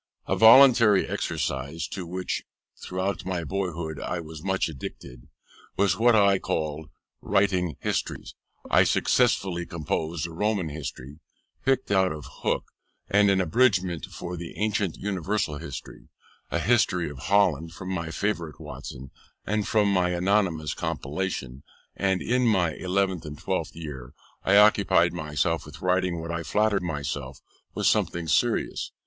A voluntary exercise, to which throughout my boyhood I was much addicted, was what I called writing histories. I successively composed a Roman History, picked out of Hooke; and an Abridgment of the Ancient Universal History; a History of Holland, from my favourite Watson and from an anonymous compilation; and in my eleventh and twelfth year I occupied myself with writing what I flattered myself was something serious.